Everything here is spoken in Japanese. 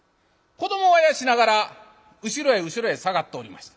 子どもをあやしながら後ろへ後ろへ下がっておりました。